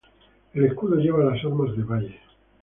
El escudo lleva las armas de Valle.